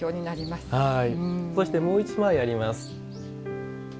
そして、もう１枚あります。